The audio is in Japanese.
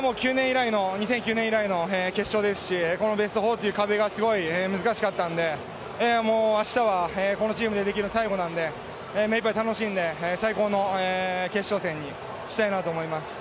２００９年以来の決勝ですしこのベスト４という壁がすごい難しかったんで、明日はこのチームでできる最後なんで、目いっぱい楽しんで最高の決勝戦にしたいなと思います。